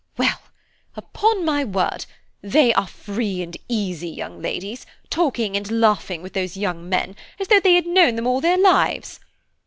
"Well, upon my word, they are free and easy young ladies, talking and laughing with those young men as though they had known them all their lives.